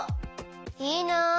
いいな！